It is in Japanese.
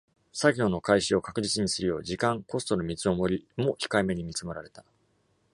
作業の開始を確実にするよう、時間・コストの見積もりも控えめに見積もられた。